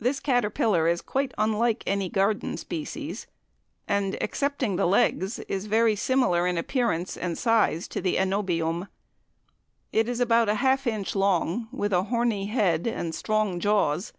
This caterpillar is quite unlike any garden species, and, excepting the legs, is very similar in appearance and size to the Anobium. It is about half inch long, with a horny head and strong jaws.